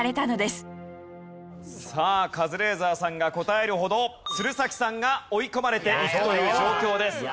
カズレーザーさんが答えるほど鶴崎さんが追い込まれていくという状況です。